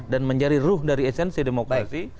dan menjadi ruh dari esensi demokrasi